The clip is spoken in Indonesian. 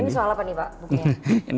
ini soal apa nih pak bukunya